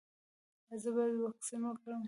ایا زه باید واکسین وکړم؟